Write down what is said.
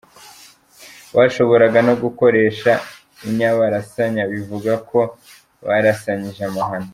Bashoboraga no gukoresha inyabarasanya bivuga ko barasanyije amahano.